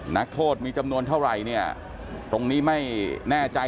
นักโทษมีจำนวนเท่าไหร่เนี่ยตรงนี้ไม่แน่ใจ